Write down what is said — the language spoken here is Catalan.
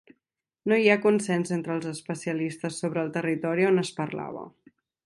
No hi ha consens entre els especialistes sobre el territori on es parlava.